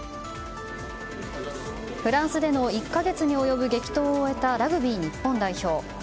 フランスでの１か月に及ぶ激闘を終えたラグビー日本代表。